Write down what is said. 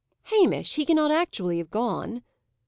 "Hamish! he cannot actually have gone?"